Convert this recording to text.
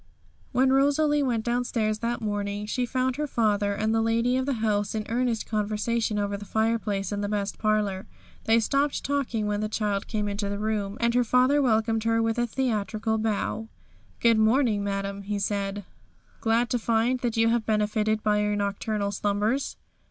When Rosalie went downstairs that morning, she found her father and the lady of the house in earnest conversation over the fireplace in the best parlour. They stopped talking when the child came into the room, and her father welcomed her with a theatrical bow. 'Good morning, madam,' he said; 'glad to find that you have benefited by your nocturnal slumbers.'